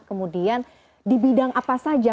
kemudian di bidang apa saja